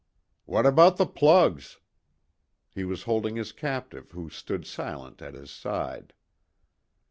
"What about the 'plugs'?" He was holding his captive, who stood silent at his side.